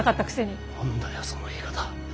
何だよその言い方。